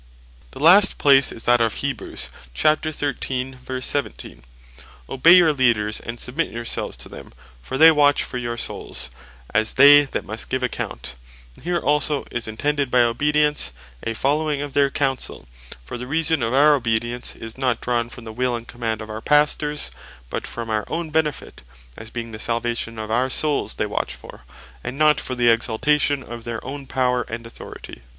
The last place is that of Heb. 13.17. "Obey your Leaders, and submit your selves to them, for they watch for your souls, as they that must give account:" And here also is intended by Obedience, a following of their Counsell: For the reason of our Obedience, is not drawn from the will and command of our Pastors, but from our own benefit, as being the Salvation of our Souls they watch for, and not for the Exaltation of their own Power, and Authority.